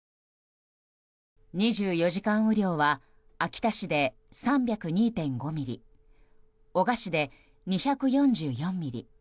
２４時間雨量は秋田市で３０２．５ミリ男鹿市で２４４ミリ